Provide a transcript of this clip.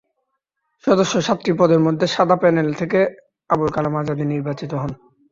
সদস্য সাতটি পদের মধ্যে সাদা প্যানেল থেকে আবুল কালাম আজাদ নির্বাচিত হন।